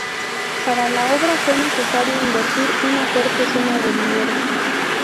Para la obra fue necesario invertir una fuerte suma de dinero.